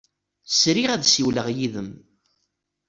Sriɣ ad ssiwleɣ yid-m.